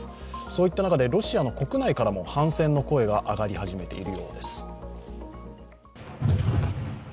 そういった中でロシアの国内からも反戦の声が上がり始めているようです。